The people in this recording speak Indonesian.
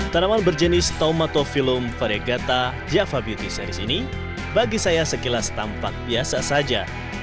tanaman berjenis tomatofilom varegata java beauty series ini bagi saya sekilas tampak biasa saja